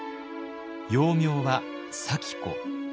幼名は咲子。